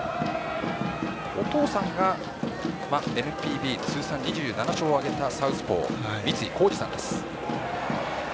お父さんがＮＰＢ通算２７勝を挙げたサウスポー、三井浩二さんです。